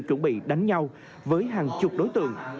chuẩn bị đánh nhau với hàng chục đối tượng